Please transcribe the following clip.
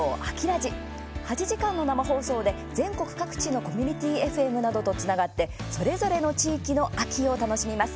８時間の生放送で、全国各地のコミュニティーＦＭなどとつながって、それぞれの地域の秋を楽しみます。